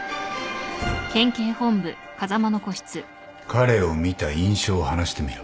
彼を見た印象を話してみろ。